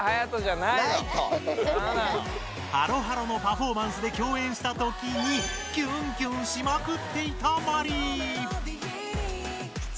ＨＡＬＯ！」のパフォーマンスできょうえんしたときにキュンキュンしまくっていたマリイ。